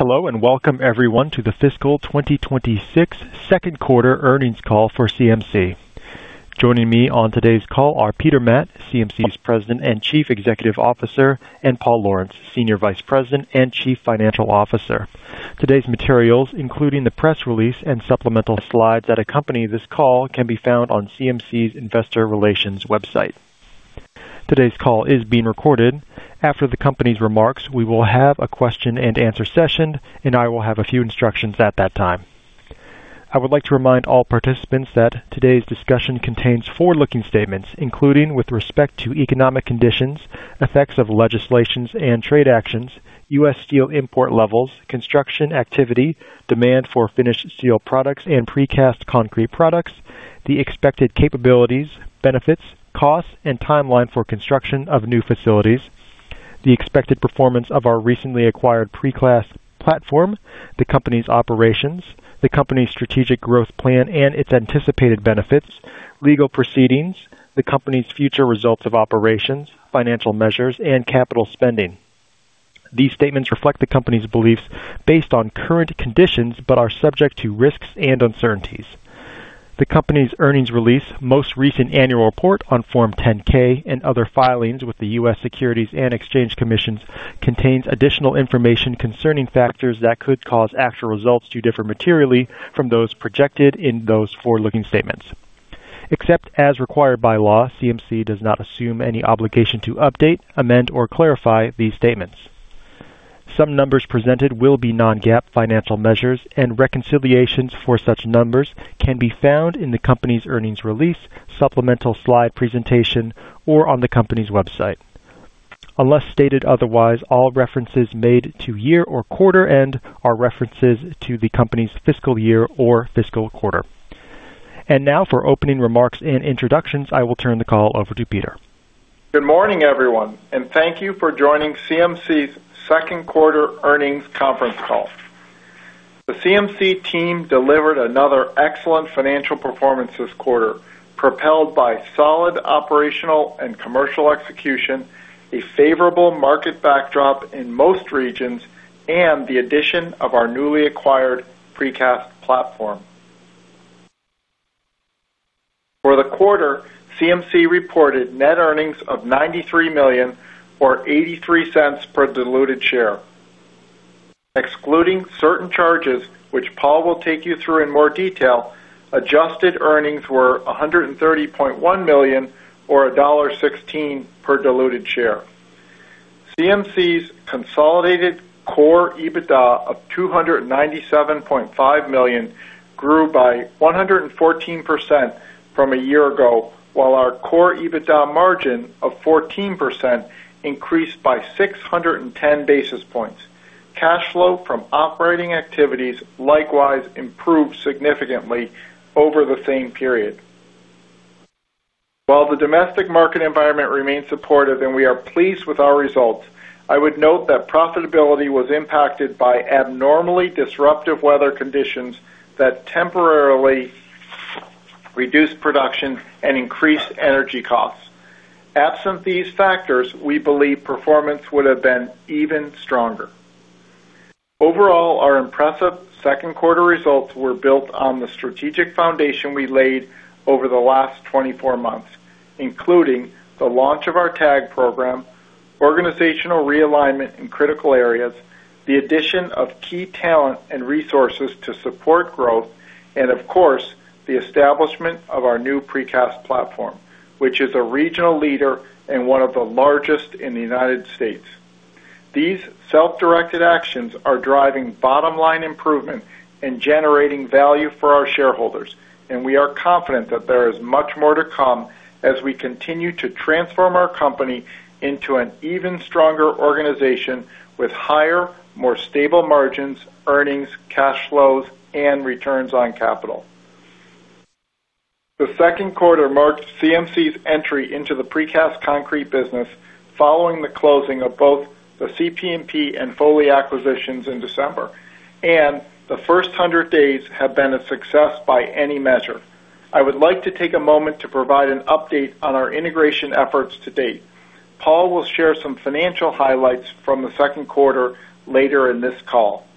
Hello, and welcome everyone to the Fiscal 2026 Second Quarter earnings call for CMC. Joining me on today's call are Peter Matt, CMC's President and Chief Executive Officer, and Paul Lawrence, Senior Vice President and Chief Financial Officer. Today's materials, including the press release and supplemental slides that accompany this call can be found on CMC's Investor Relations website. Today's call is being recorded. After the company's remarks, we will have a question-and-answer session, and I will have a few instructions at that time. I would like to remind all participants that today's discussion contains forward-looking statements, including with respect to economic conditions, effects of legislation and trade actions, U.S. steel import levels, construction activity, demand for finished steel products and precast concrete products, the expected capabilities, benefits, costs, and timeline for construction of new facilities, the expected performance of our recently acquired precast platform, the company's operations, the company's strategic growth plan and its anticipated benefits, legal proceedings, the company's future results of operations, financial measures, and capital spending. These statements reflect the company's beliefs based on current conditions, but are subject to risks and uncertainties. The company's earnings release, most recent annual report on Form 10-K, and other filings with the U.S. Securities and Exchange Commission contains additional information concerning factors that could cause actual results to differ materially from those projected in those forward-looking statements. Except as required by law, CMC does not assume any obligation to update, amend, or clarify these statements. Some numbers presented will be non-GAAP financial measures, and reconciliations for such numbers can be found in the company's earnings release, supplemental slide presentation, or on the company's website. Unless stated otherwise, all references made to year or quarter end are references to the company's fiscal year or fiscal quarter. Now for opening remarks and introductions, I will turn the call over to Peter. Good morning, everyone, and thank you for joining CMC's Second Quarter earnings conference call. The CMC team delivered another excellent financial performance this quarter, propelled by solid operational and commercial execution, a favorable market backdrop in most regions, and the addition of our newly acquired precast platform. For the quarter, CMC reported net earnings of $93 million or $0.83 per diluted share. Excluding certain charges, which Paul will take you through in more detail, Adjusted Earnings were $130.1 million or $1.16 per diluted share. CMC's consolidated core EBITDA of $297.5 million grew by 114% from a year ago, while our core EBITDA margin of 14% increased by 610 basis points. Cash flow from operating activities likewise improved significantly over the same period. While the domestic market environment remains supportive and we are pleased with our results, I would note that profitability was impacted by abnormally disruptive weather conditions that temporarily reduced production and increased energy costs. Absent these factors, we believe performance would have been even stronger. Overall, our impressive second quarter results were built on the strategic foundation we laid over the last 24 months, including the launch of our TAG program, organizational realignment in critical areas, the addition of key talent and resources to support growth, and of course, the establishment of our new Precast Platform, which is a regional leader and one of the largest in the United States. These self-directed actions are driving bottom-line improvement and generating value for our shareholders, and we are confident that there is much more to come as we continue to transform our company into an even stronger organization with higher, more stable margins, earnings, cash flows, and returns on capital. The second quarter marked CMC's entry into the precast concrete business following the closing of both the CP&P and Foley acquisitions in December, and the first 100 days have been a success by any measure. I would like to take a moment to provide an update on our integration efforts to date. Paul will share some financial highlights from the second quarter later in this call.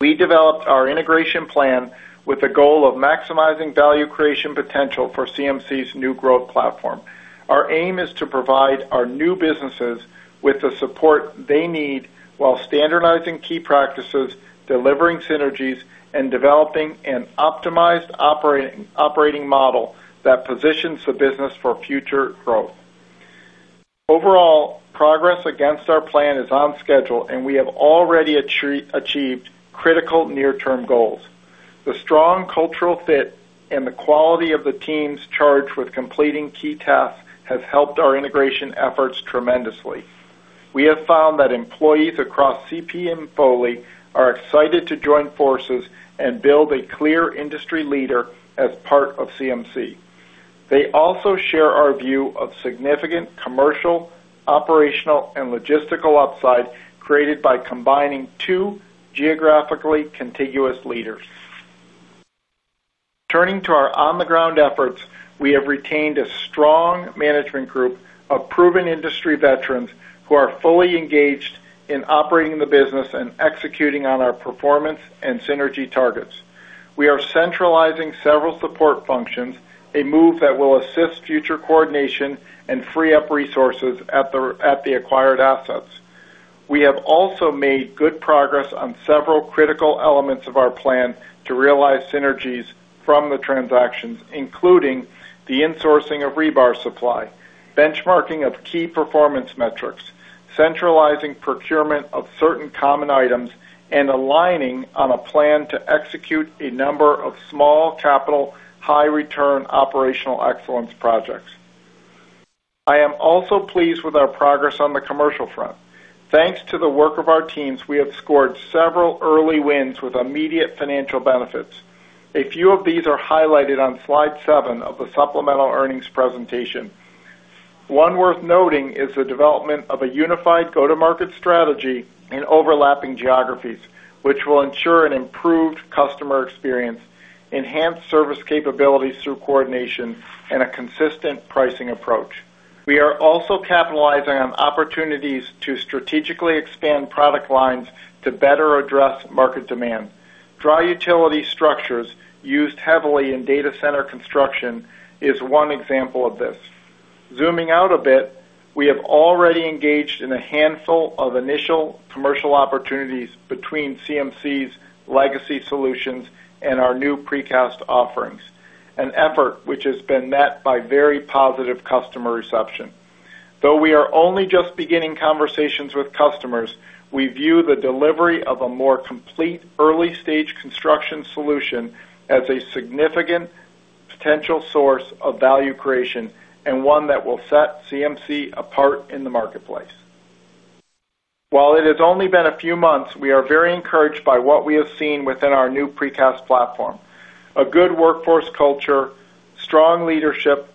We developed our integration plan with the goal of maximizing value creation potential for CMC's new Growth Platform. Our aim is to provide our new businesses with the support they need while standardizing key practices, delivering synergies, and developing an optimized operating model that positions the business for future growth. Overall, progress against our plan is on schedule, and we have already achieved critical near-term goals. The strong cultural fit and the quality of the teams charged with completing key tasks has helped our integration efforts tremendously. We have found that employees across CP and Foley are excited to join forces and build a clear industry leader as part of CMC. They also share our view of significant commercial, operational, and logistical upside created by combining two geographically contiguous leaders. Turning to our on-the-ground efforts, we have retained a strong management group of proven industry veterans who are fully engaged in operating the business and executing on our performance and synergy targets. We are centralizing several support functions, a move that will assist future coordination and free up resources at the acquired assets. We have also made good progress on several critical elements of our plan to realize synergies from the transactions, including the insourcing of rebar supply, benchmarking of key performance metrics, centralizing procurement of certain common items, and aligning on a plan to execute a number of small capital, high return operational excellence projects. I am also pleased with our progress on the commercial front. Thanks to the work of our teams, we have scored several early wins with immediate financial benefits. A few of these are highlighted on slide seven of the supplemental earnings presentation. One worth noting is the development of a unified go-to-market strategy in overlapping geographies, which will ensure an improved customer experience, enhanced service capabilities through coordination, and a consistent pricing approach. We are also capitalizing on opportunities to strategically expand product lines to better address market demand. Dry utility structures used heavily in data center construction is one example of this. Zooming out a bit, we have already engaged in a handful of initial commercial opportunities between CMC's legacy solutions and our new precast offerings, an effort which has been met by very positive customer reception. Though we are only just beginning conversations with customers, we view the delivery of a more complete early-stage construction solution as a significant potential source of value creation and one that will set CMC apart in the marketplace. While it has only been a few months, we are very encouraged by what we have seen within our new precast platform. A good workforce culture, strong leadership,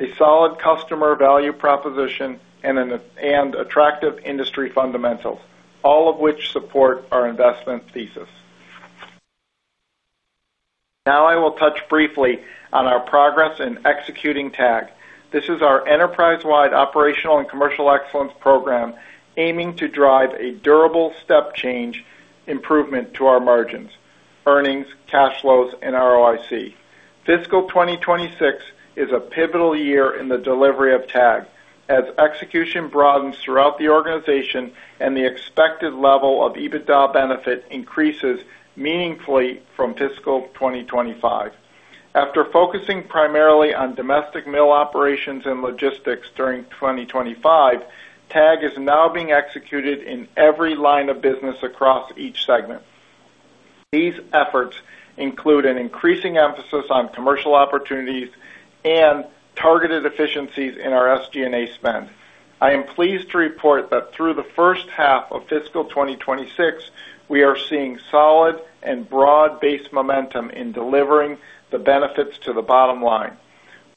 a solid customer value proposition, and attractive industry fundamentals, all of which support our investment thesis. Now I will touch briefly on our progress in executing TAG. This is our enterprise-wide operational and commercial excellence program aiming to drive a durable step change improvement to our margins, earnings, cash flows, and ROIC. Fiscal 2026 is a pivotal year in the delivery of TAG as execution broadens throughout the organization and the expected level of EBITDA benefit increases meaningfully from fiscal 2025. After focusing primarily on domestic mill operations and logistics during 2025, TAG is now being executed in every line of business across each segment. These efforts include an increasing emphasis on commercial opportunities and targeted efficiencies in our SG&A spend. I am pleased to report that through the first half of fiscal 2026, we are seeing solid and broad-based momentum in delivering the benefits to the bottom line.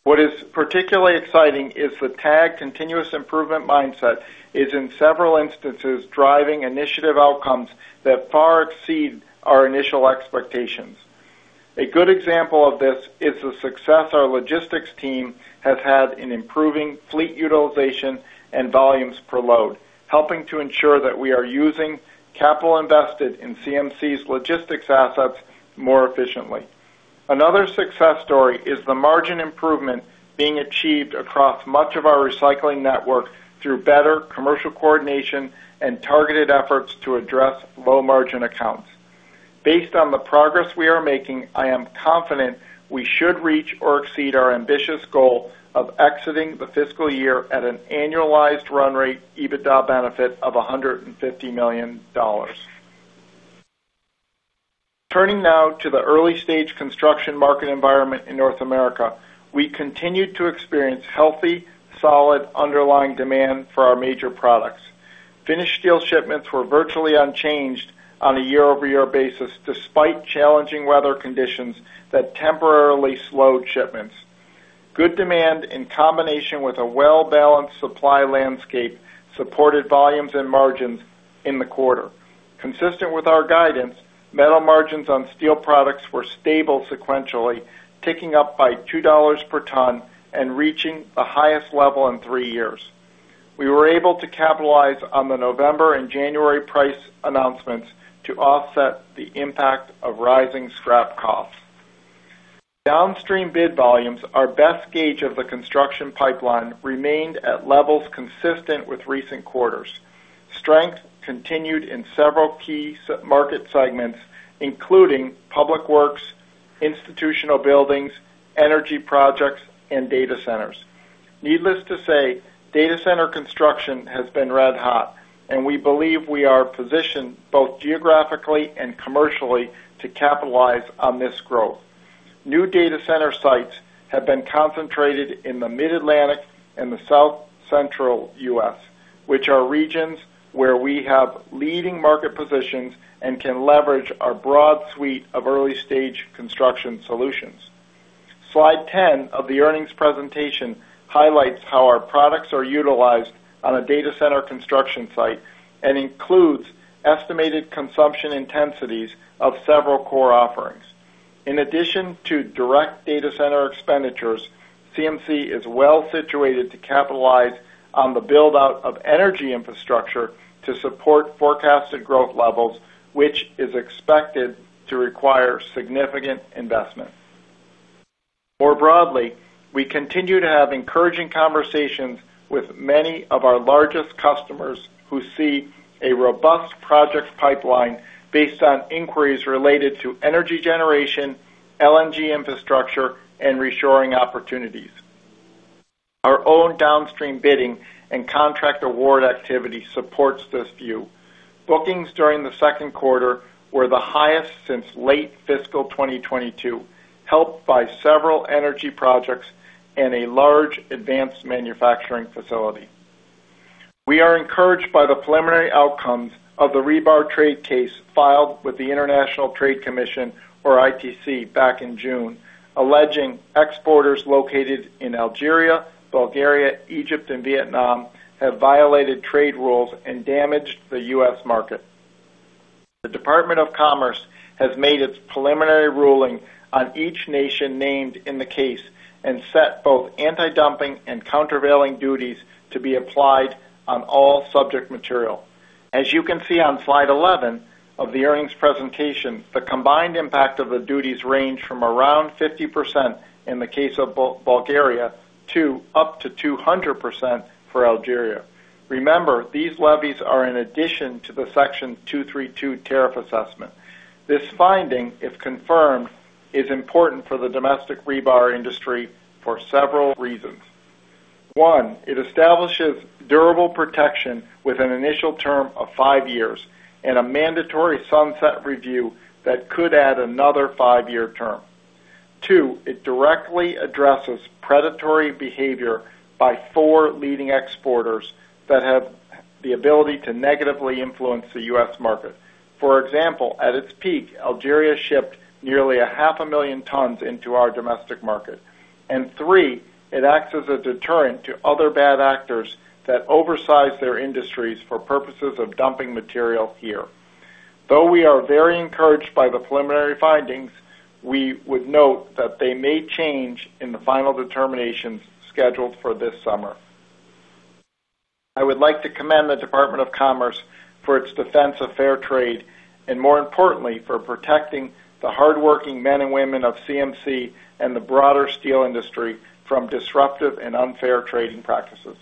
What is particularly exciting is the TAG continuous improvement mindset is in several instances, driving initiative outcomes that far exceed our initial expectations. A good example of this is the success our logistics team has had in improving fleet utilization and volumes per load, helping to ensure that we are using capital invested in CMC's logistics assets more efficiently. Another success story is the margin improvement being achieved across much of our recycling network through better commercial coordination and targeted efforts to address low-margin accounts. Based on the progress we are making, I am confident we should reach or exceed our ambitious goal of exiting the fiscal year at an annualized run rate EBITDA benefit of $150 million. Turning now to the early-stage construction market environment in North America. We continued to experience healthy, solid underlying demand for our major products. Finished steel shipments were virtually unchanged on a year-over-year basis, despite challenging weather conditions that temporarily slowed shipments. Good demand in combination with a well-balanced supply landscape supported volumes and margins in the quarter. Consistent with our guidance, metal margins on steel products were stable sequentially, ticking up by $2 per ton and reaching the highest level in three years. We were able to capitalize on the November and January price announcements to offset the impact of rising scrap costs. Downstream bid volumes, our best gauge of the construction pipeline, remained at levels consistent with recent quarters. Strength continued in several key market segments, including public works, institutional buildings, energy projects, and data centers. Needless to say, data center construction has been red hot, and we believe we are positioned both geographically and commercially to capitalize on this growth. New data center sites have been concentrated in the Mid-Atlantic and the South Central U.S., which are regions where we have leading market positions and can leverage our broad suite of early-stage construction solutions. Slide 10 of the earnings presentation highlights how our products are utilized on a data center construction site and includes estimated consumption intensities of several core offerings. In addition to direct data center expenditures, CMC is well situated to capitalize on the build-out of energy infrastructure to support forecasted growth levels, which is expected to require significant investment. More broadly, we continue to have encouraging conversations with many of our largest customers who see a robust project pipeline based on inquiries related to energy generation, LNG infrastructure, and reshoring opportunities. Our own downstream bidding and contract award activity supports this view. Bookings during the second quarter were the highest since late fiscal 2022, helped by several energy projects and a large advanced manufacturing facility. We are encouraged by the preliminary outcomes of the rebar trade case filed with the International Trade Commission, or ITC, back in June, alleging exporters located in Algeria, Bulgaria, Egypt, and Vietnam have violated trade rules and damaged the U.S. market. The Department of Commerce has made its preliminary ruling on each nation named in the case and set both antidumping and countervailing duties to be applied on all subject material. As you can see on slide 11 of the earnings presentation, the combined impact of the duties range from around 50% in the case of Bulgaria to up to 200% for Algeria. Remember, these levies are in addition to the Section 232 tariff assessment. This finding, if confirmed, is important for the domestic rebar industry for several reasons. One, it establishes durable protection with an initial term of five years and a mandatory sunset review that could add another five-year term. Two, it directly addresses predatory behavior by four leading exporters that have the ability to negatively influence the U.S. market. For example, at its peak, Algeria shipped nearly 500,000 tons into our domestic market. Three, it acts as a deterrent to other bad actors that oversize their industries for purposes of dumping material here. Though we are very encouraged by the preliminary findings, we would note that they may change in the final determinations scheduled for this summer. I would like to commend the Department of Commerce for its defense of fair trade, and more importantly, for protecting the hardworking men and women of CMC and the broader steel industry from disruptive and unfair trading practices.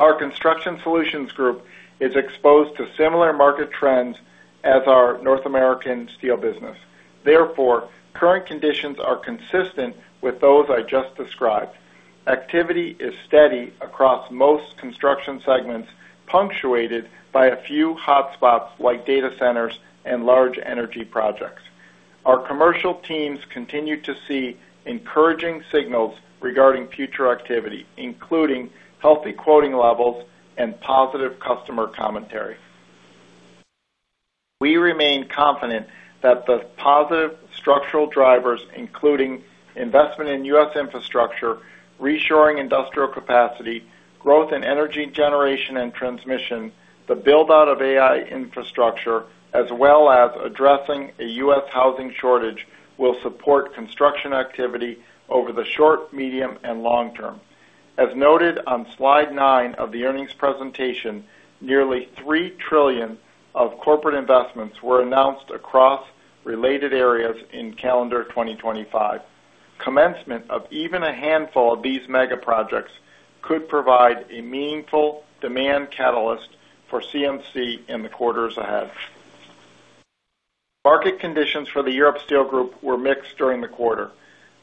Our Construction Solutions Group is exposed to similar market trends as our North America Steel Group. Therefore, current conditions are consistent with those I just described. Activity is steady across most construction segments, punctuated by a few hotspots like data centers and large energy projects. Our commercial teams continue to see encouraging signals regarding future activity, including healthy quoting levels and positive customer commentary. We remain confident that the positive structural drivers, including investment in U.S. infrastructure, reshoring industrial capacity, growth in energy generation and transmission, the build-out of AI infrastructure, as well as addressing a U.S. housing shortage, will support construction activity over the short, medium, and long term. As noted on slide nine of the earnings presentation, nearly $3 trillion of corporate investments were announced across related areas in calendar 2025. Commencement of even a handful of these mega projects could provide a meaningful demand catalyst for CMC in the quarters ahead. Market conditions for the Europe Steel Group were mixed during the quarter.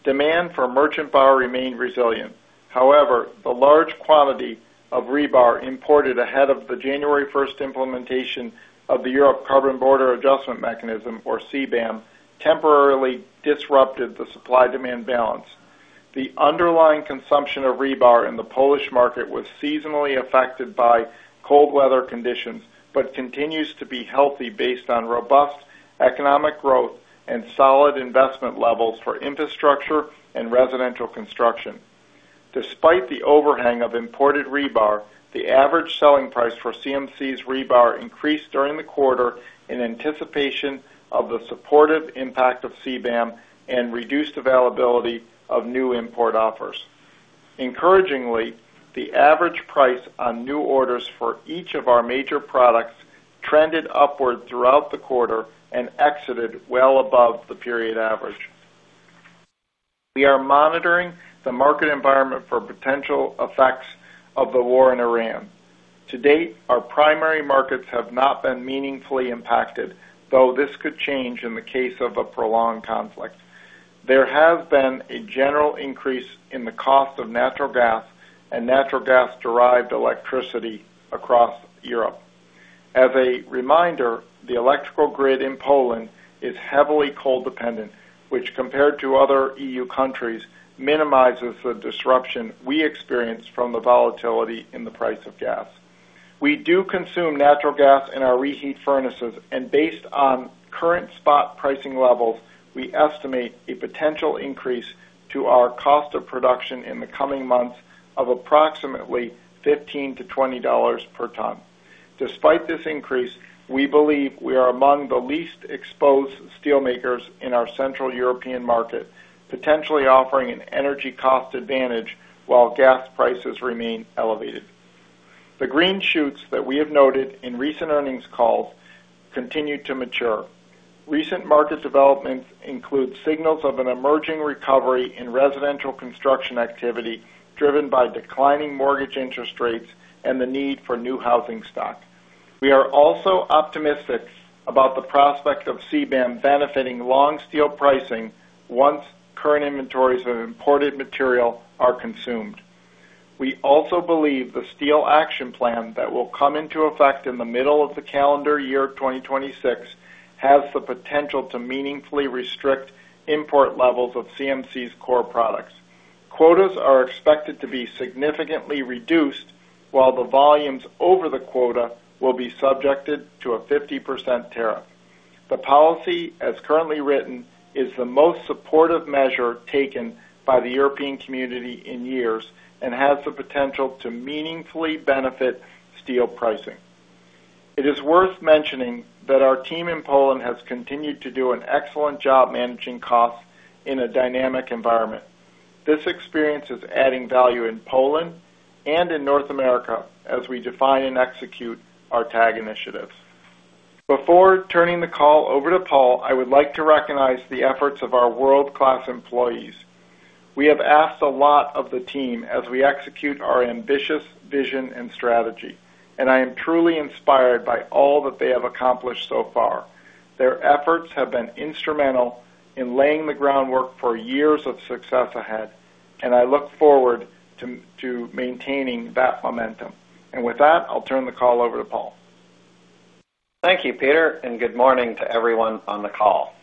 Demand for merchant bar remained resilient. However, the large quantity of rebar imported ahead of the January first implementation of the European Carbon Border Adjustment Mechanism, or CBAM, temporarily disrupted the supply-demand balance. The underlying consumption of rebar in the Polish market was seasonally affected by cold weather conditions, but continues to be healthy based on robust economic growth and solid investment levels for infrastructure and residential construction. Despite the overhang of imported rebar, the average selling price for CMC's rebar increased during the quarter in anticipation of the supportive impact of CBAM and reduced availability of new import offers. Encouragingly, the average price on new orders for each of our major products trended upward throughout the quarter and exited well above the period average. We are monitoring the market environment for potential effects of the war in Iran. To date, our primary markets have not been meaningfully impacted, though this could change in the case of a prolonged conflict. There has been a general increase in the cost of natural gas and natural gas-derived electricity across Europe. As a reminder, the electrical grid in Poland is heavily coal dependent, which compared to other EU countries, minimizes the disruption we experience from the volatility in the price of gas. We do consume natural gas in our reheat furnaces, and based on current spot pricing levels, we estimate a potential increase to our cost of production in the coming months of approximately $15-$20 per ton. Despite this increase, we believe we are among the least exposed steelmakers in our Central European market, potentially offering an energy cost advantage while gas prices remain elevated. The green shoots that we have noted in recent earnings calls continue to mature. Recent market developments include signals of an emerging recovery in residential construction activity driven by declining mortgage interest rates and the need for new housing stock. We are also optimistic about the prospect of CBAM benefiting long steel pricing once current inventories of imported material are consumed. We also believe the steel action plan that will come into effect in the middle of the calendar year 2026 has the potential to meaningfully restrict import levels of CMC's core products. Quotas are expected to be significantly reduced while the volumes over the quota will be subjected to a 50% tariff. The policy, as currently written, is the most supportive measure taken by the European community in years and has the potential to meaningfully benefit steel pricing. It is worth mentioning that our team in Poland has continued to do an excellent job managing costs in a dynamic environment. This experience is adding value in Poland and in North America as we define and execute our TAG initiatives. Before turning the call over to Paul, I would like to recognize the efforts of our world-class employees. We have asked a lot of the team as we execute our ambitious vision and strategy, and I am truly inspired by all that they have accomplished so far. Their efforts have been instrumental in laying the groundwork for years of success ahead, and I look forward to maintaining that momentum. With that, I'll turn the call over to Paul. Thank you, Peter, and good morning to everyone on the call.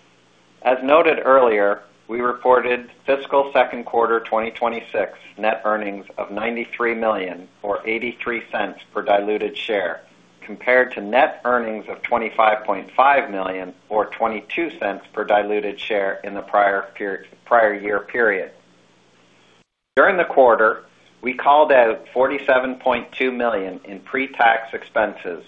As noted earlier, we reported fiscal second quarter 2026 net earnings of $93 million or $0.83 per diluted share, compared to net earnings of $25.5 million or $0.22 per diluted share in the prior period, prior year period. During the quarter, we called out $47.2 million in pre-tax expenses,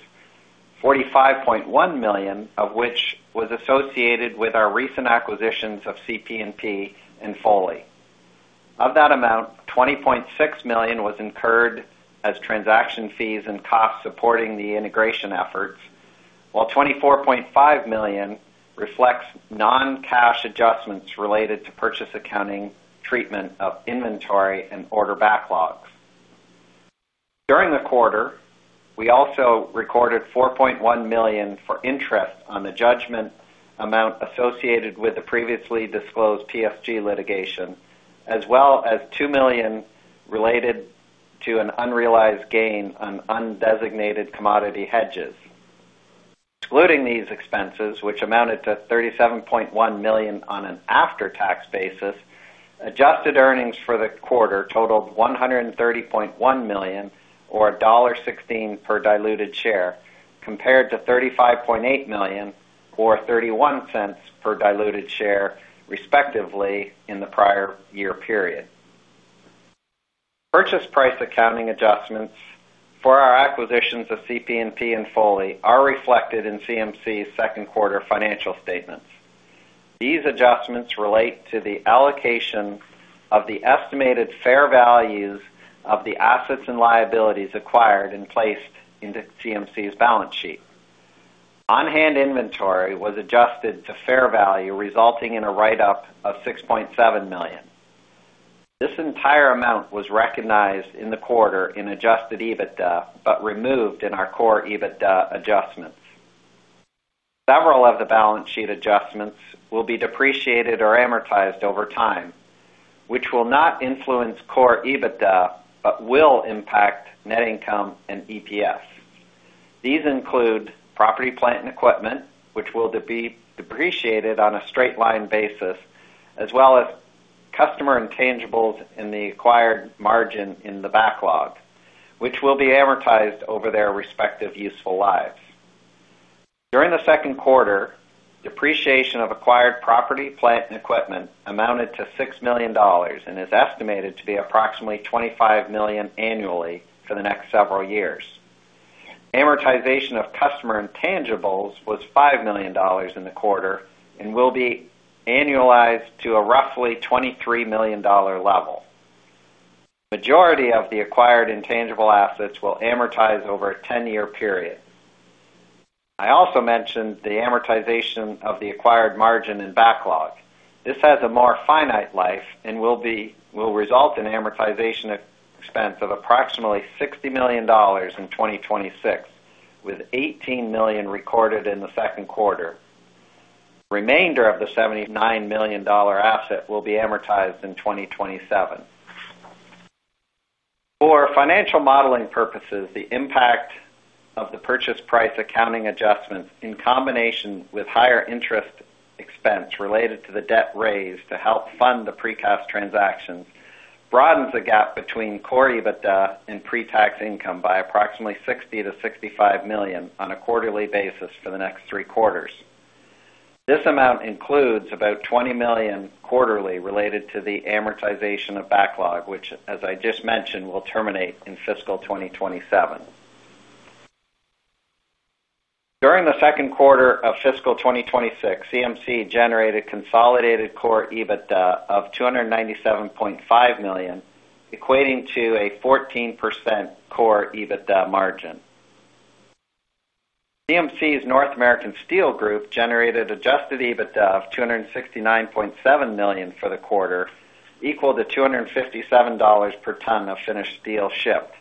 $45.1 million of which was associated with our recent acquisitions of CP&P and Foley. Of that amount, $20.6 million was incurred as transaction fees and costs supporting the integration efforts, while $24.5 million reflects non-cash adjustments related to purchase accounting treatment of inventory and order backlogs. During the quarter, we also recorded $4.1 million for interest on the judgment amount associated with the previously disclosed PSG litigation, as well as $2 million related to an unrealized gain on undesignated commodity hedges. Excluding these expenses, which amounted to $37.1 million on an after-tax basis, Adjusted Earnings for the quarter totaled $130.1 million or $1.16 per diluted share, compared to $35.8 million or $0.31 per diluted share, respectively, in the prior year period. Purchase price accounting adjustments for our acquisitions of CP&P and Foley are reflected in CMC's second quarter financial statements. These adjustments relate to the allocation of the estimated fair values of the assets and liabilities acquired and placed into CMC's balance sheet. On-hand inventory was adjusted to fair value, resulting in a write-up of $6.7 million. This entire amount was recognized in the quarter in Adjusted EBITDA, but removed in our core EBITDA adjustments. Several of the balance sheet adjustments will be depreciated or amortized over time, which will not influence core EBITDA, but will impact net income and EPS. These include property, plant, and equipment, which will be depreciated on a straight-line basis, as well as customer intangibles in the acquired margin in the backlog, which will be amortized over their respective useful lives. During the second quarter, depreciation of acquired property, plant, and equipment amounted to $6 million and is estimated to be approximately $25 million annually for the next several years. Amortization of customer intangibles was $5 million in the quarter and will be annualized to a roughly $23 million level. Majority of the acquired intangible assets will amortize over a 10-year period. I also mentioned the amortization of the acquired margin in backlog. This has a more finite life and will result in amortization expense of approximately $60 million in 2026, with $18 million recorded in the second quarter. Remainder of the $79 million asset will be amortized in 2027. For financial modeling purposes, the impact of the purchase price accounting adjustments in combination with higher interest expense related to the debt raised to help fund the precast transactions broadens the gap between core EBITDA and pre-tax income by approximately $60-$65 million on a quarterly basis for the next three quarters. This amount includes about $20 million quarterly related to the amortization of backlog, which, as I just mentioned, will terminate in fiscal 2027. During the second quarter of fiscal 2026, CMC generated consolidated core EBITDA of $297.5 million, equating to a 14% core EBITDA margin. CMC's North American Steel Group generated Adjusted EBITDA of $269.7 million for the quarter, equal to $257 per ton of finished steel shipped.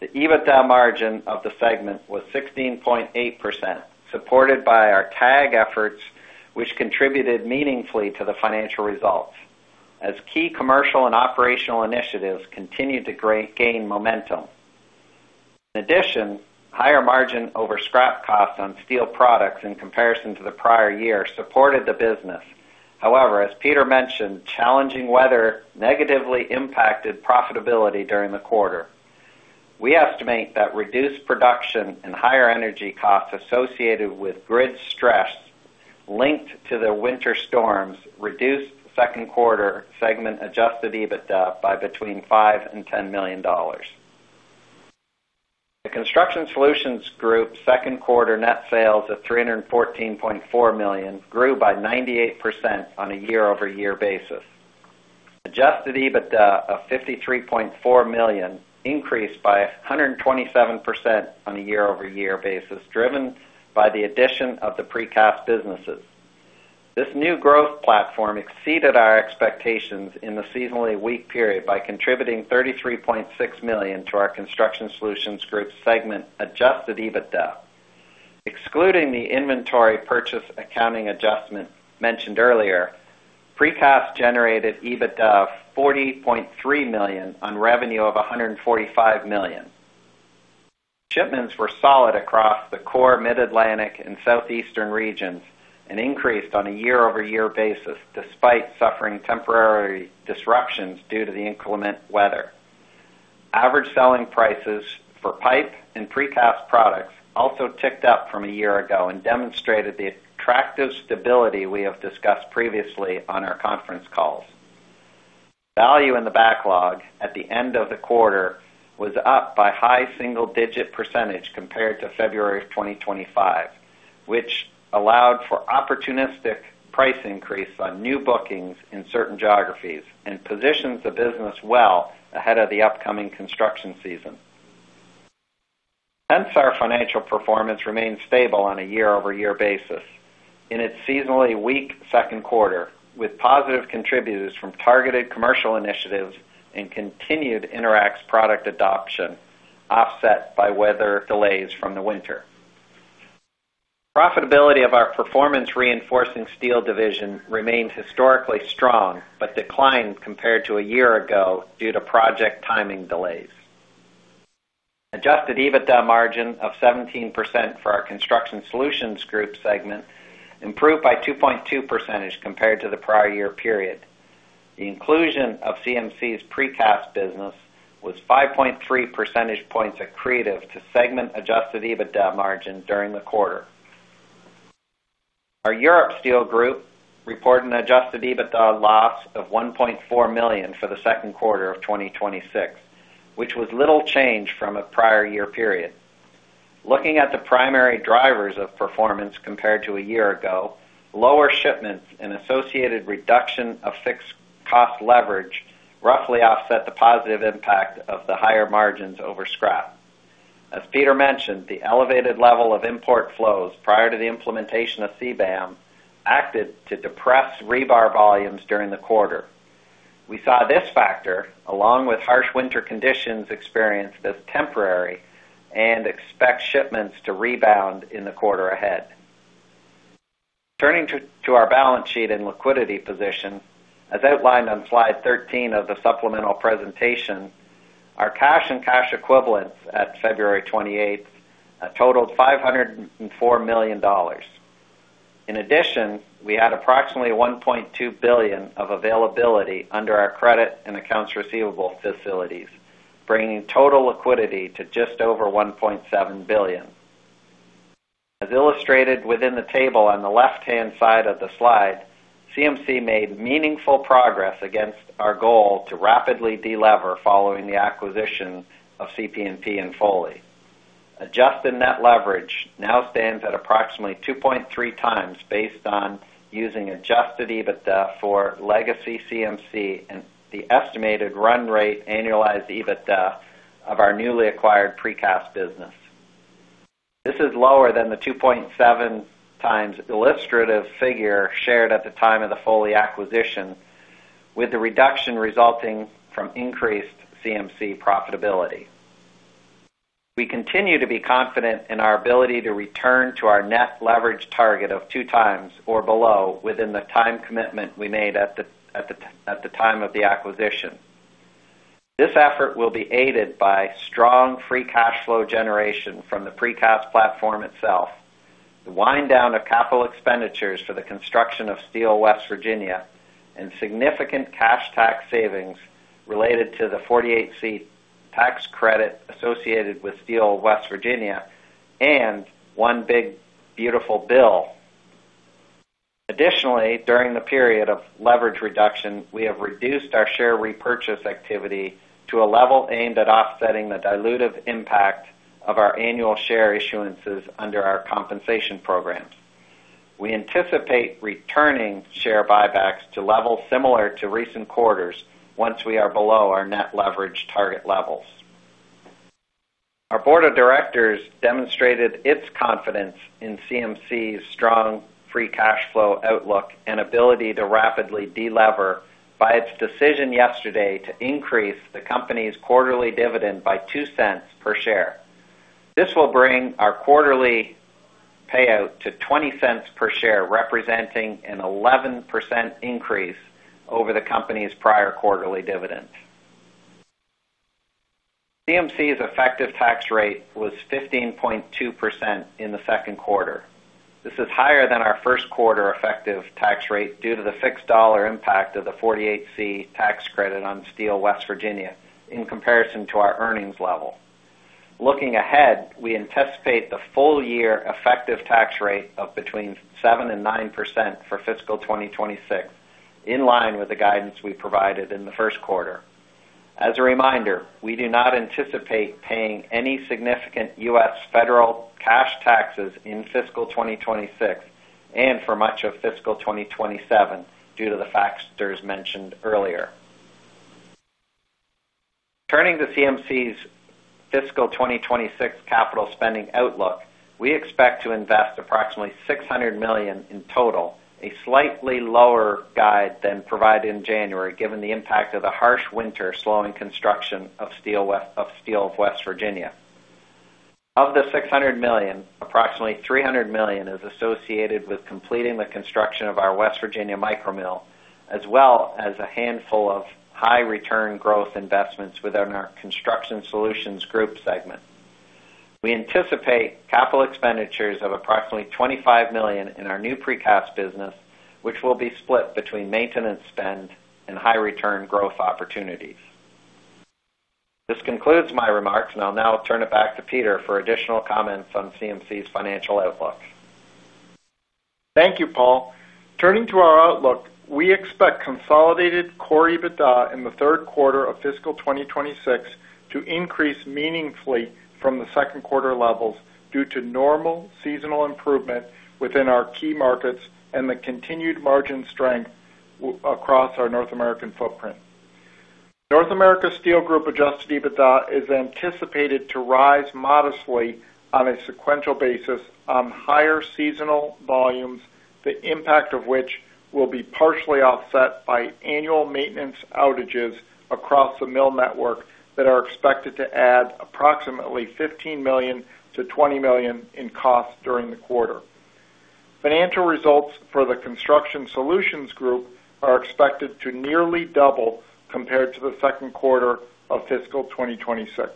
The EBITDA margin of the segment was 16.8%, supported by our TAG efforts, which contributed meaningfully to the financial results as key commercial and operational initiatives continued to gain momentum. In addition, higher margin over scrap costs on steel products in comparison to the prior year supported the business. However, as Peter mentioned, challenging weather negatively impacted profitability during the quarter. We estimate that reduced production and higher energy costs associated with grid stress linked to the winter storms reduced second quarter segment Adjusted EBITDA by between $5 million-$10 million. The Construction Solutions Group second quarter net sales of $314.4 million grew by 98% on a year-over-year basis. Adjusted EBITDA of $53.4 million increased by 127% on a year-over-year basis, driven by the addition of the precast businesses. This new growth platform exceeded our expectations in the seasonally weak period by contributing $33.6 million to our Construction Solutions Group segment Adjusted EBITDA. Excluding the inventory purchase accounting adjustment mentioned earlier, precast generated EBITDA of $40.3 million on revenue of $145 million. Shipments were solid across the core Mid-Atlantic and Southeastern regions and increased on a year-over-year basis despite suffering temporary disruptions due to the inclement weather. Average selling prices for pipe and precast products also ticked up from a year ago and demonstrated the attractive stability we have discussed previously on our conference calls. Value in the backlog at the end of the quarter was up by high single-digit percentage compared to February of 2025, which allowed for opportunistic price increase on new bookings in certain geographies and positions the business well ahead of the upcoming construction season. Hence, our financial performance remains stable on a year-over-year basis in its seasonally weak second quarter, with positive contributors from targeted commercial initiatives and continued InterAx product adoption offset by weather delays from the winter. Profitability of our performing reinforcing steel division remains historically strong, but declined compared to a year ago due to project timing delays. Adjusted EBITDA margin of 17% for our Construction Solutions Group segment improved by 2.2% compared to the prior year period. The inclusion of CMC's precast business was 5.3 percentage points accretive to segment Adjusted EBITDA Margin during the quarter. Our Europe Steel Group reported an Adjusted EBITDA loss of $1.4 million for the second quarter of 2026, which was little change from a prior year period. Looking at the primary drivers of performance compared to a year ago, lower shipments and associated reduction of fixed cost leverage roughly offset the positive impact of the higher margins over scrap. As Peter mentioned, the elevated level of import flows prior to the implementation of CBAM acted to depress rebar volumes during the quarter. We saw this factor, along with harsh winter conditions experienced as temporary and expect shipments to rebound in the quarter ahead. Turning to our balance sheet and liquidity position, as outlined on slide 13 of the supplemental presentation, our cash and cash equivalents at February 28th totaled $504 million. In addition, we had approximately $1.2 billion of availability under our credit and accounts receivable facilities, bringing total liquidity to just over $1.7 billion. As illustrated within the table on the left-hand side of the slide, CMC made meaningful progress against our goal to rapidly delever following the acquisition of CP&P and Foley. Adjusted net leverage now stands at approximately 2.3x based on using Adjusted EBITDA for legacy CMC and the estimated run rate annualized EBITDA of our newly acquired precast business. This is lower than the 2.7x illustrative figure shared at the time of the Foley acquisition with the reduction resulting from increased CMC profitability. We continue to be confident in our ability to return to our net leverage target of 2x or below within the time commitment we made at the time of the acquisition. This effort will be aided by strong Free Cash Flow generation from the precast platform itself, the wind down of capital expenditures for the construction of Steel West Virginia, and significant cash tax savings related to the 48C tax credit associated with Steel West Virginia and One Big Beautiful Bill Act. Additionally, during the period of leverage reduction, we have reduced our share repurchase activity to a level aimed at offsetting the dilutive impact of our annual share issuances under our compensation programs. We anticipate returning share buybacks to levels similar to recent quarters once we are below our net leverage target levels. Our board of directors demonstrated its confidence in CMC's strong Free Cash Flow outlook and ability to rapidly delever by its decision yesterday to increase the company's quarterly dividend by $0.02 per share. This will bring our quarterly payout to $0.20 per share, representing an 11% increase over the company's prior quarterly dividend. CMC's effective tax rate was 15.2% in the second quarter. This is higher than our first quarter effective tax rate due to the fixed dollar impact of the 48C tax credit on CMC Steel West Virginia in comparison to our earnings level. Looking ahead, we anticipate the full-year effective tax rate of between 7% and 9% for fiscal 2026, in line with the guidance we provided in the first quarter. As a reminder, we do not anticipate paying any significant U.S. federal cash taxes in fiscal 2026 and for much of fiscal 2027 due to the factors mentioned earlier. Turning to CMC's fiscal 2026 capital spending outlook, we expect to invest approximately $600 million in total, a slightly lower guide than provided in January, given the impact of the harsh winter slowing construction of Steel West Virginia. Of the $600 million, approximately $300 million is associated with completing the construction of our West Virginia micromill, as well as a handful of high-return growth investments within our Construction Solutions Group segment. We anticipate capital expenditures of approximately $25 million in our new precast business, which will be split between maintenance spend and high-return growth opportunities. This concludes my remarks, and I'll now turn it back to Peter for additional comments on CMC's financial outlook. Thank you, Paul. Turning to our outlook, we expect consolidated core EBITDA in the third quarter of fiscal 2026 to increase meaningfully from the second quarter levels due to normal seasonal improvement within our key markets and the continued margin strength across our North American footprint. North America Steel Group Adjusted EBITDA is anticipated to rise modestly on a sequential basis on higher seasonal volumes, the impact of which will be partially offset by annual maintenance outages across the mill network that are expected to add approximately $15 million-$20 million in costs during the quarter. Financial results for the Construction Solutions Group are expected to nearly double compared to the second quarter of fiscal 2026.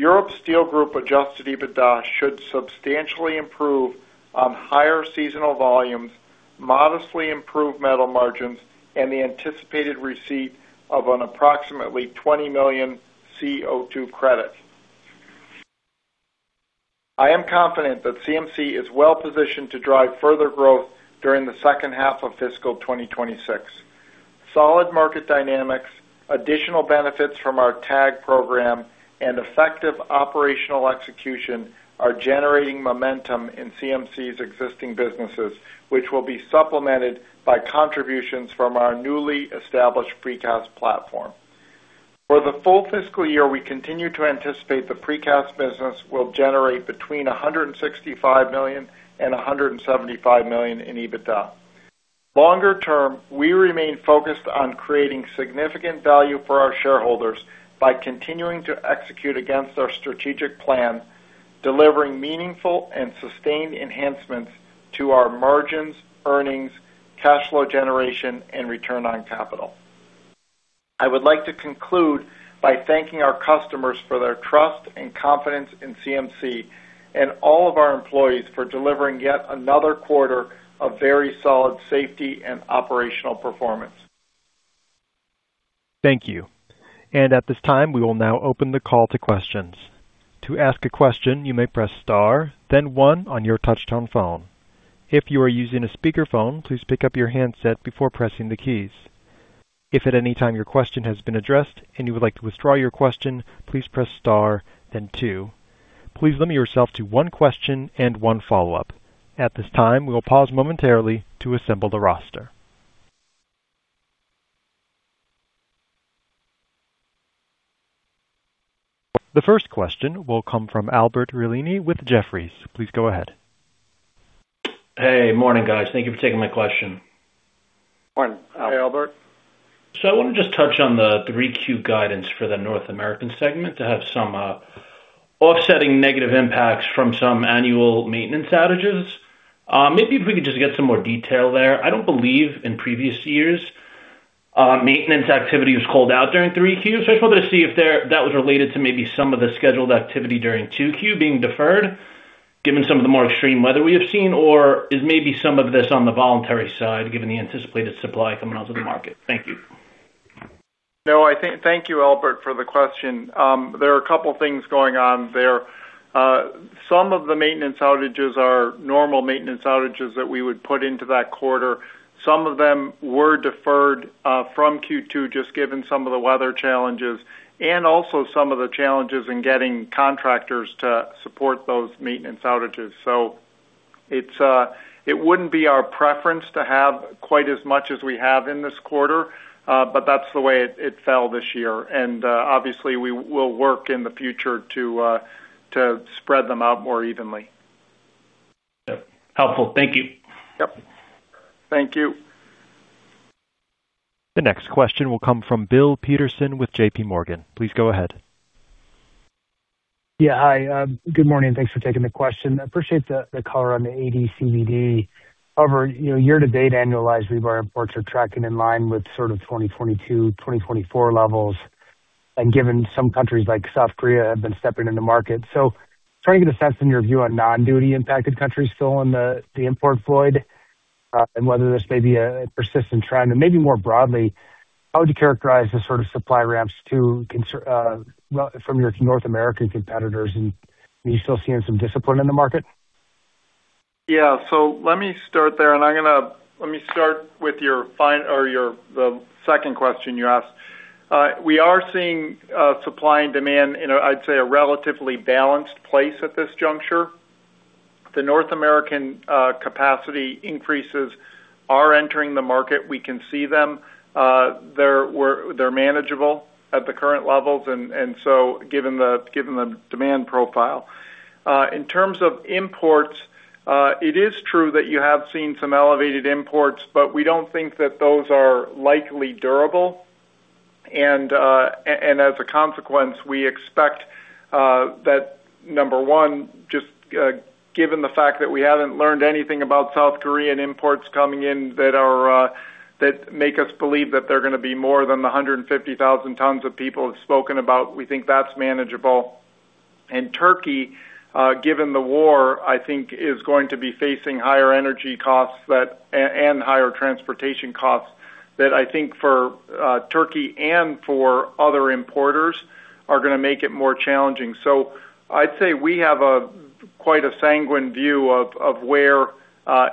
Europe Steel Group Adjusted EBITDA should substantially improve on higher seasonal volumes, modestly improved metal margins, and the anticipated receipt of an approximately $20 million CO2 credit. I am confident that CMC is well-positioned to drive further growth during the second half of fiscal 2026. Solid market dynamics, additional benefits from our TAG program, and effective operational execution are generating momentum in CMC's existing businesses, which will be supplemented by contributions from our newly established precast platform. For the full fiscal year, we continue to anticipate the precast business will generate between $165 million and $175 million in EBITDA. Longer term, we remain focused on creating significant value for our shareholders by continuing to execute against our strategic plan, delivering meaningful and sustained enhancements to our margins, earnings, cash flow generation, and return on capital. I would like to conclude by thanking our customers for their trust and confidence in CMC and all of our employees for delivering yet another quarter of very solid safety and operational performance. Thank you. At this time, we will now open the call to questions. To ask a question, you may press star then one on your touchtone phone. If you are using a speakerphone, please pick up your handset before pressing the keys. If at any time your question has been addressed and you would like to withdraw your question, please press star then two. Please limit yourself to one question and one follow-up. At this time, we will pause momentarily to assemble the roster. The first question will come from Albert Realini with Jefferies. Please go ahead. Hey, morning, guys. Thank you for taking my question. Morning. Hey, Albert. I want to just touch on the 3Q guidance for the North American segment to have some offsetting negative impacts from some annual maintenance outages. Maybe if we could just get some more detail there. I don't believe in previous years, maintenance activity was called out during 3Q. I just wanted to see if that was related to maybe some of the scheduled activity during 2Q being deferred given some of the more extreme weather we have seen. Or is maybe some of this on the voluntary side given the anticipated supply coming out of the market? Thank you. No, I think, thank you, Alexander, for the question. There are a couple things going on there. Some of the maintenance outages are normal maintenance outages that we would put into that quarter. Some of them were deferred from Q2 just given some of the weather challenges and also some of the challenges in getting contractors to support those maintenance outages. It's it wouldn't be our preference to have quite as much as we have in this quarter, but that's the way it fell this year. Obviously we will work in the future to spread them out more evenly. Yep. Helpful. Thank you. Yep. Thank you. The next question will come from Bill Peterson with J.P. Morgan. Please go ahead. Hi, good morning, and thanks for taking the question. I appreciate the color on the AD/CVD. However, you know, year-to-date annualized, we've heard reports are tracking in line with sort of 2022, 2024 levels, and given some countries like South Korea have been stepping into the market. Trying to get a sense in your view on non-duty impacted countries still in the import flow, and whether this may be a persistent trend. Maybe more broadly, how would you characterize the sort of supply ramps from your North American competitors and are you still seeing some discipline in the market? Let me start with the second question you asked. We are seeing supply and demand in a, I'd say, a relatively balanced place at this juncture. The North American capacity increases are entering the market. We can see them. They're manageable at the current levels given the demand profile. In terms of imports, it is true that you have seen some elevated imports, but we don't think that those are likely durable. As a consequence, we expect that number one, just given the fact that we haven't learned anything about South Korean imports coming in that make us believe that they're gonna be more than the 150,000 tons that people have spoken about, we think that's manageable. Turkey, given the war, I think is going to be facing higher energy costs and higher transportation costs that I think for Turkey and for other importers are gonna make it more challenging. I'd say we have quite a sanguine view of where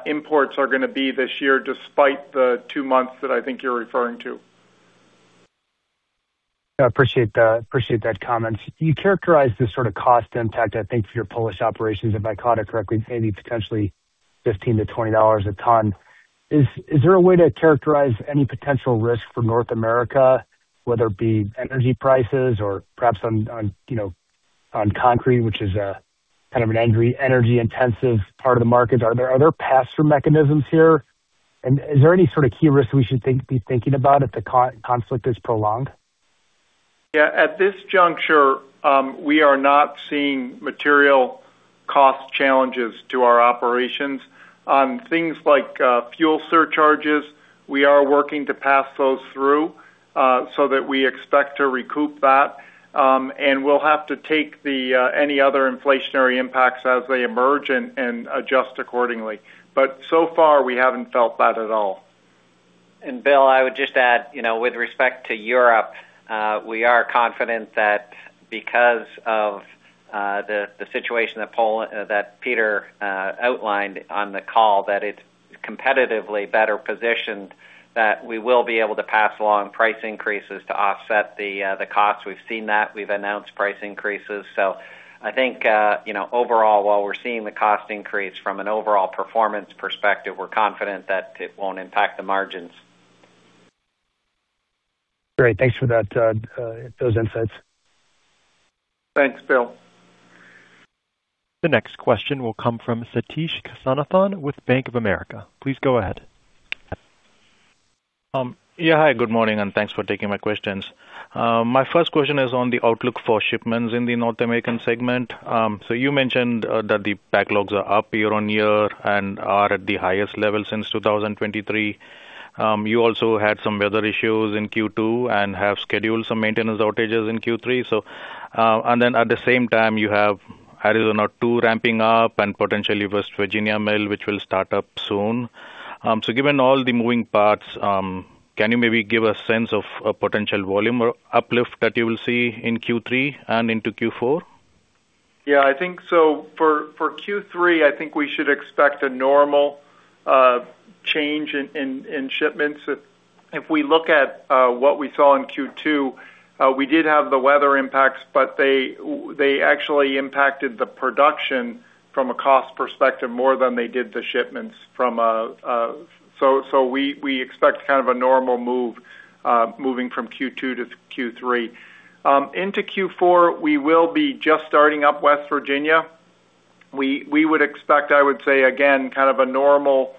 imports are gonna be this year, despite the two months that I think you're referring to. I appreciate that. Appreciate that comment. You characterized the sort of cost impact, I think, for your Polish operations, if I caught it correctly, maybe potentially $15-$20 a ton. Is there a way to characterize any potential risk for North America, whether it be energy prices or perhaps on, you know, on concrete, which is a kind of an energy-intensive part of the market? Are there other pass-through mechanisms here? Is there any sort of key risks we should be thinking about if the conflict is prolonged? Yeah. At this juncture, we are not seeing material cost challenges to our operations. Things like fuel surcharges, we are working to pass those through, so that we expect to recoup that. And we'll have to take any other inflationary impacts as they emerge and adjust accordingly. So far, we haven't felt that at all. Bill, I would just add, you know, with respect to Europe, we are confident that because of the situation that Peter outlined on the call, that it's competitively better positioned, that we will be able to pass along price increases to offset the costs. We've seen that. We've announced price increases. I think, you know, overall, while we're seeing the cost increase from an overall performance perspective, we're confident that it won't impact the margins. Great. Thanks for that, those insights. Thanks, Bill. The next question will come from Sathish Kasinathan with Bank of America. Please go ahead. Hi, good morning, and thanks for taking my questions. My first question is on the outlook for shipments in the North American segment. You mentioned that the backlogs are up year-over-year and are at the highest level since 2023. You also had some weather issues in Q2 and have scheduled some maintenance outages in Q3. At the same time, you have Arizona two ramping up and potentially West Virginia Mill, which will start up soon. Given all the moving parts, can you maybe give a sense of a potential volume or uplift that you will see in Q3 and into Q4? Yeah, I think so. For Q3, I think we should expect a normal change in shipments. If we look at what we saw in Q2, we did have the weather impacts, but they actually impacted the production from a cost perspective more than they did the shipments. So we expect kind of a normal move moving from Q2-Q3. Into Q4, we will be just starting up West Virginia. We would expect, I would say again, kind of a normal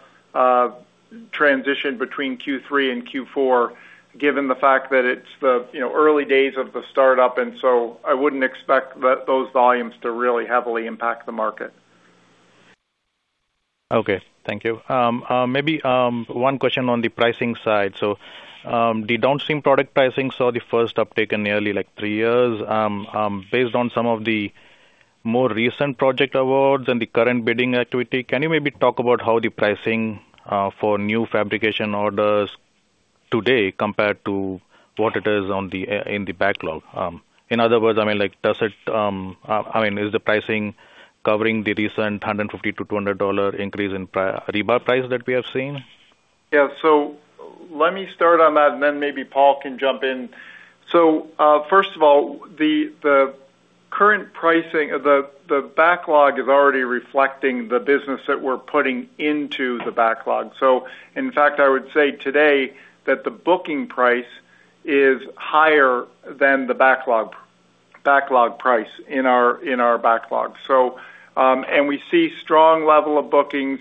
transition between Q3 and Q4, given the fact that it's the, you know, early days of the startup, and so I wouldn't expect those volumes to really heavily impact the market. Okay. Thank you. Maybe one question on the pricing side. The downstream product pricing saw the first uptake in nearly like three years. Based on some of the more recent project awards and the current bidding activity, can you maybe talk about how the pricing for new fabrication orders today compare to what it is in the backlog? In other words, I mean, like, does it, I mean, is the pricing covering the recent $150-$200 increase in rebar price that we have seen? Yeah. Let me start on that, and then maybe Paul can jump in. First of all, the current pricing of the backlog is already reflecting the business that we're putting into the backlog. In fact, I would say today that the booking price is higher than the backlog price in our backlog. We see strong level of bookings.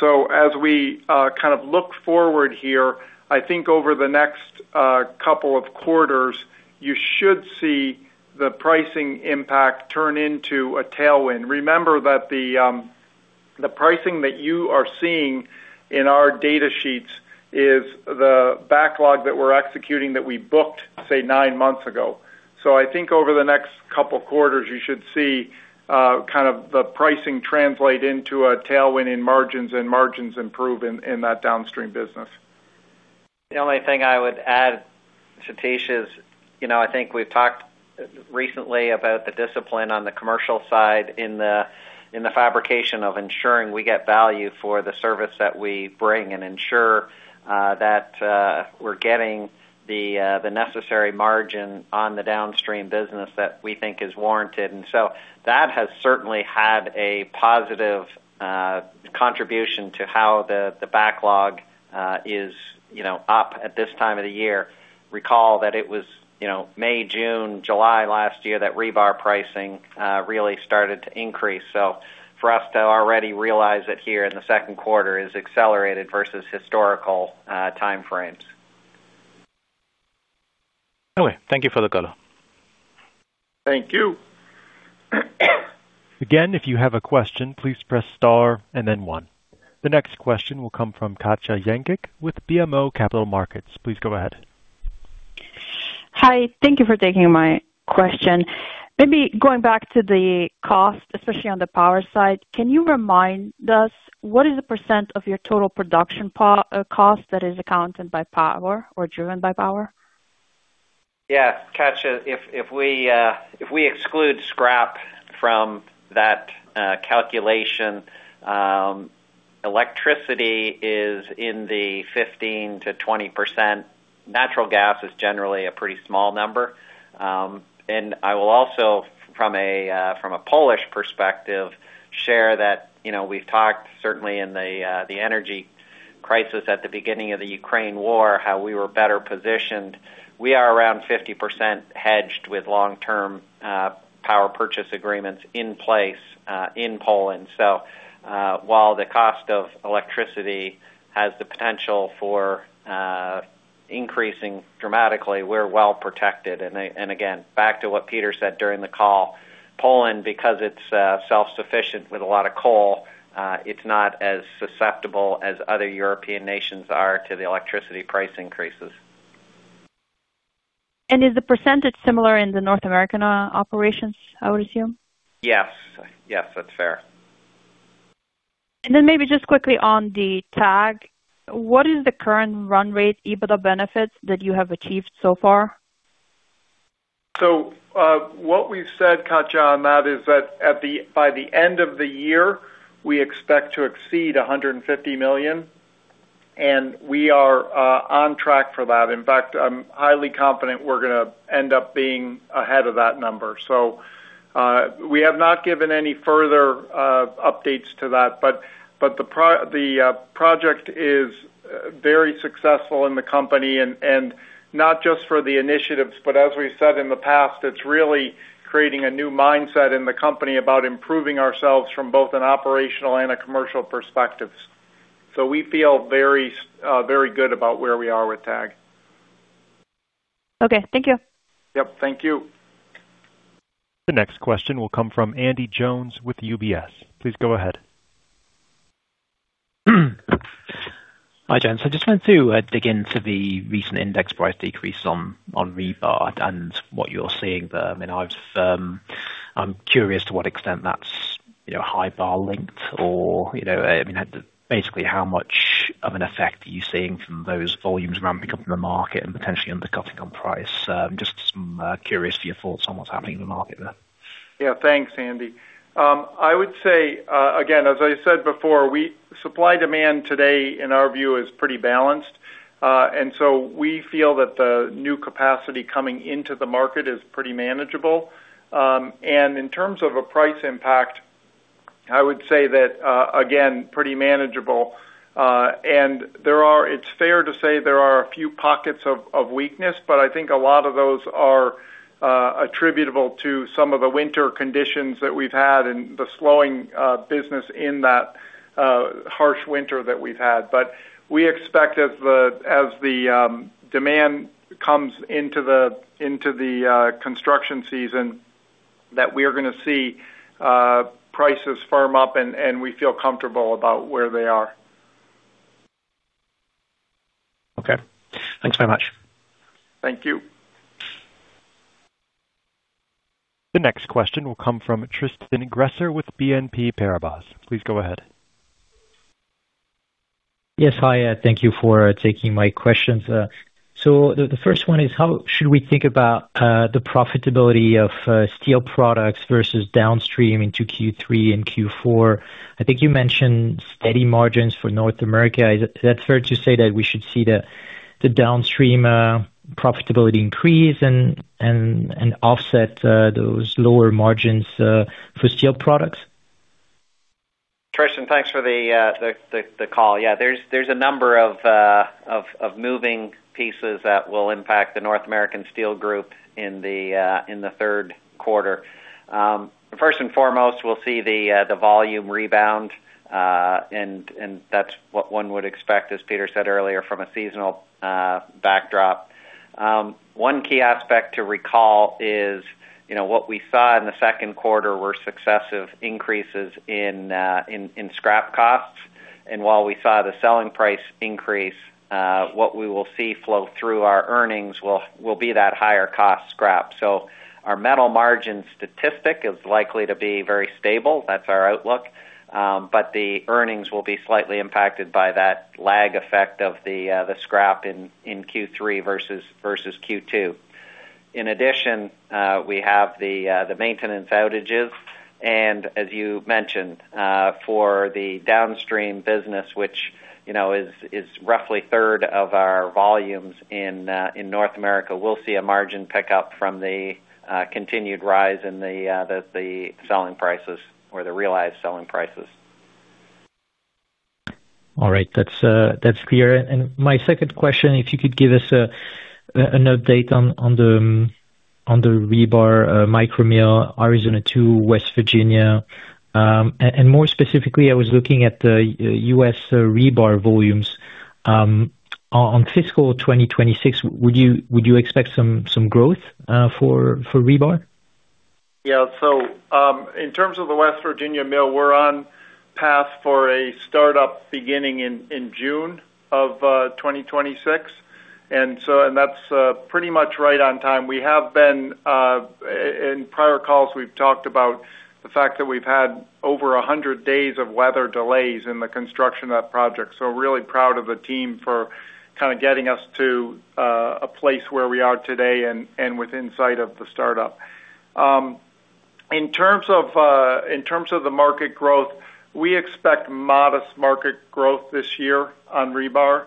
As we kind of look forward here, I think over the next couple of quarters, you should see the pricing impact turn into a tailwind. Remember that the pricing that you are seeing in our data sheets is the backlog that we're executing that we booked, say, nine months ago. I think over the next couple quarters, you should see kind of the pricing translate into a tailwind in margins and margins improve in that downstream business. The only thing I would add, Sathish, is, you know, I think we've talked recently about the discipline on the commercial side in the fabrication of ensuring we get value for the service that we bring and ensure that we're getting the necessary margin on the downstream business that we think is warranted. That has certainly had a positive contribution to how the backlog is, you know, up at this time of the year. Recall that it was, you know, May, June, July last year that rebar pricing really started to increase. For us to already realize it here in the second quarter is accelerated versus historical time frames. Okay, thank you for the color. Thank you. Again, if you have a question, please press star and then one. The next question will come from Katja Jancic with BMO Capital Markets. Please go ahead. Hi. Thank you for taking my question. Maybe going back to the cost, especially on the power side, can you remind us what is the percent of your total production cost that is accounted by power or driven by power? Yeah. Katja, if we exclude scrap from that calculation, electricity is in the 15%-20%. Natural gas is generally a pretty small number. I will also from a Polish perspective share that, you know, we've talked certainly in the energy crisis at the beginning of the Ukraine war, how we were better positioned. We are around 50% hedged with long-term power purchase agreements in place in Poland. While the cost of electricity has the potential for increasing dramatically, we're well protected. Again, back to what Peter said during the call, Poland, because it's self-sufficient with a lot of coal, it's not as susceptible as other European nations are to the electricity price increases. Is the percentage similar in the North American operations, I would assume? Yes. Yes. That's fair. Maybe just quickly on the TAG. What is the current run rate EBITDA benefits that you have achieved so far? What we've said, Katja, on that is that by the end of the year, we expect to exceed $150 million, and we are on track for that. In fact, I'm highly confident we're gonna end up being ahead of that number. We have not given any further updates to that, but the project is very successful in the company and not just for the initiatives, but as we said in the past, it's really creating a new mindset in the company about improving ourselves from both an operational and a commercial perspectives. We feel very good about where we are with TAG. Okay. Thank you. Yep. Thank you. The next question will come from Andy Jones with UBS. Please go ahead. Hi, gents. I just want to dig into the recent index price decrease on rebar and what you're seeing there. I mean, I'm curious to what extent that's, you know, Hybar linked or, you know, I mean, basically, how much of an effect are you seeing from those volumes ramping up in the market and potentially undercutting on price? Just curious to your thoughts on what's happening in the market there. Yeah. Thanks, Andy. I would say, again, as I said before, supply and demand today in our view is pretty balanced. We feel that the new capacity coming into the market is pretty manageable. In terms of a price impact, I would say that, again, pretty manageable. It's fair to say there are a few pockets of weakness, but I think a lot of those are attributable to some of the winter conditions that we've had and the slowing business in that harsh winter that we've had. We expect as the demand comes into the construction season, that we are gonna see prices firm up, and we feel comfortable about where they are. Okay. Thanks very much. Thank you. The next question will come from Tristan Gresser with BNP Paribas. Please go ahead. Yes. Hi. Thank you for taking my questions. The first one is how should we think about the profitability of steel products versus downstream into Q3 and Q4? I think you mentioned steady margins for North America. Is that fair to say that we should see the downstream profitability increase and offset those lower margins for steel products? Tristan, thanks for the call. Yeah, there's a number of moving pieces that will impact the North America Steel Group in the third quarter. First and foremost, we'll see the volume rebound. That's what one would expect, as Peter said earlier, from a seasonal backdrop. One key aspect to recall is, you know, what we saw in the second quarter were successive increases in scrap costs. While we saw the selling price increase, what we will see flow through our earnings will be that higher cost scrap. Our metal margin statistic is likely to be very stable. That's our outlook. The earnings will be slightly impacted by that lag effect of the scrap in Q3 versus Q2. In addition, we have the maintenance outages. As you mentioned, for the downstream business, which you know is roughly a third of our volumes in North America, we'll see a margin pick up from the continued rise in the selling prices or the realized selling prices. All right. That's clear. My second question, if you could give us an update on the rebar micromill, Arizona to West Virginia. More specifically, I was looking at the U.S. rebar volumes. On fiscal 2026, would you expect some growth for rebar? In terms of the West Virginia mill, we're on track for a startup beginning in June of 2026. That's pretty much right on time. We have been in prior calls, we've talked about the fact that we've had over 100 days of weather delays in the construction of that project. Really proud of the team for kind of getting us to a place where we are today and with in sight of the startup. In terms of the market growth, we expect modest market growth this year on rebar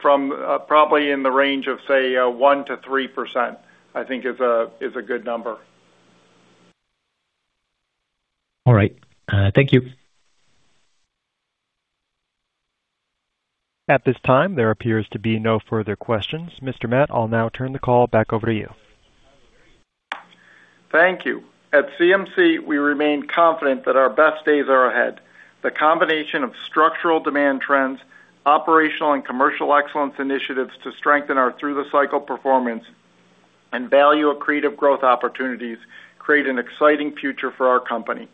from probably in the range of, say, 1%-3%, I think is a good number. All right. Thank you. At this time, there appears to be no further questions. Mr. Matt, I'll now turn the call back over to you. Thank you. At CMC, we remain confident that our best days are ahead. The combination of structural demand trends, operational and commercial excellence initiatives to strengthen our through the cycle performance and value accretive growth opportunities create an exciting future for our company.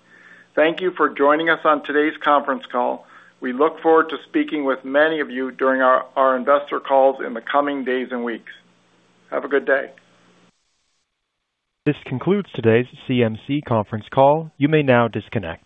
Thank you for joining us on today's conference call. We look forward to speaking with many of you during our investor calls in the coming days and weeks. Have a good day. This concludes today's CMC conference call. You may now disconnect.